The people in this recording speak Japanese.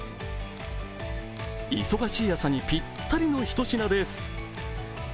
忙しい朝にぴったりの一品です。